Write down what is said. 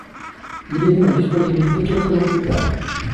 Il est mis en disponibilité quelques jours plus tard.